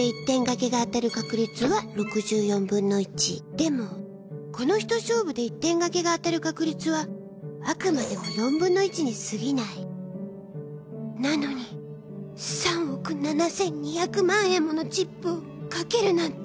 でもこの一勝負で１点賭けが当たる確率はあくまでも４分の１にすぎないなのに３億 ７，２００ 万円ものチップを賭けるなんて